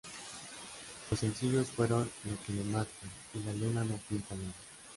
Los sencillos fueron "Lo que me mata" y "La Luna no pinta nada".